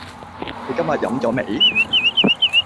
你今日飲咗未？